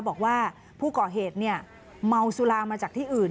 บอกว่าผู้ก่อเหตุเมาสุรามาจากที่อื่น